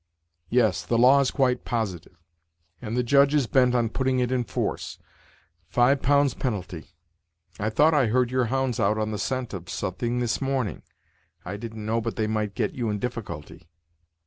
"Yes, the law is quite positive, and the Judge is bent on putting it in force five pounds penalty. I thought I heard your hounds out on the scent of so'thing this morning; I didn't know but they might get you in difficulty."